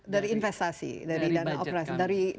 dari investasi dari dana operasi dari budget